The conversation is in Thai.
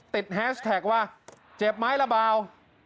แฮชแท็กว่าเจ็บไหมระบาว